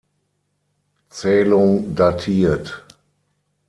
Zählung datiert.